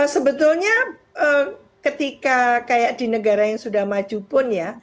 sebetulnya ketika kayak di negara yang sudah maju pun ya